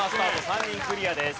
３人クリアです。